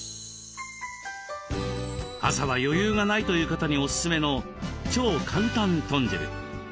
朝は余裕がないという方にオススメの超簡単豚汁。